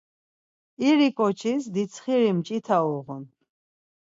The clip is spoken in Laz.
İri ǩoçis ditsxiri mç̌ita uğun.